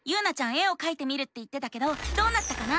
絵をかいてみるって言ってたけどどうなったかな？